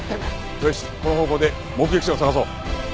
よしこの方向で目撃者を捜そう。